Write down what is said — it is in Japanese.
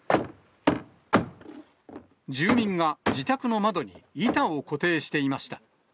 住民が自宅の窓に板を固定していました。